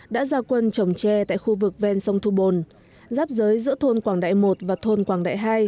đã ra quân trồng tre tại khu vực ven sông thu bồn giáp giới giữa thôn quảng đại một và thôn quảng đại hai